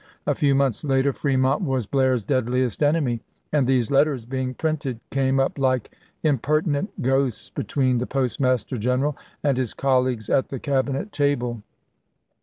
A few months later Fremont was Blair's deadliest enemy, and these letters, being printed, came up like impertinent ghosts between the Postmaster G eneral and his colleagues at the Cabinet table.